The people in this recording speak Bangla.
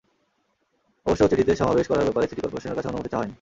অবশ্য চিঠিতে সমাবেশ করার ব্যাপারে সিটি করপোরেশনের কাছে অনুমতি চাওয়া হয়নি।